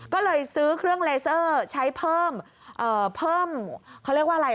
ก็เลยซื้อเครื่องเลเซอร์ใช้เพิ่มเขาเรียกว่าอะไร